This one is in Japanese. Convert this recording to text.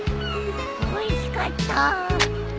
おいしかった。